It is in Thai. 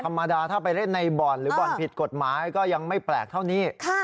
ธรรมดาถ้าไปเล่นในบ่อนหรือบ่อนผิดกฎหมายก็ยังไม่แปลกเท่านี้